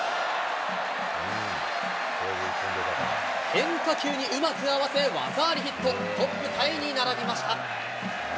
変化球にうまく合わせ、技ありヒット、トップタイに並びました。